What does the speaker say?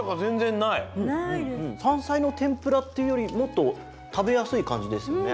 さんさいのてんぷらっていうよりもっとたべやすいかんじですよね。